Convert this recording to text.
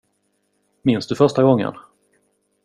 Minns du första gången?